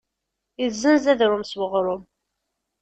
Izzenz adrum s uɣrum.